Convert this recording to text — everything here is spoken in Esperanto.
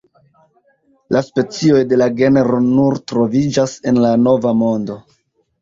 La specioj de la genro nur troviĝas en la Nova Mondo.